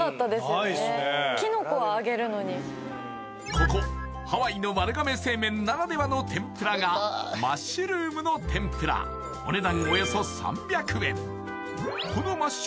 ここハワイの丸亀製麺ならではの天ぷらがマッシュルームの天ぷらお値段